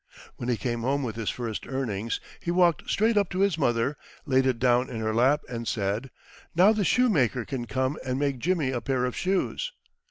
When he came home with his first earnings, he walked straight up to his mother, laid it down in her lap, and said, "Now the shoemaker can come and make Jimmy a pair of shoes."